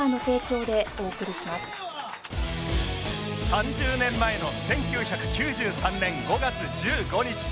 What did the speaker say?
３０年前の１９９３年５月１５日